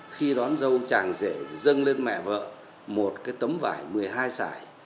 khi đón dâu chàng rể dâng lên mẹ vợ một cái tấm vải một mươi hai sải